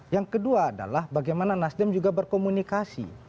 yang kedua adalah bagaimana nasdem juga berkomunikasi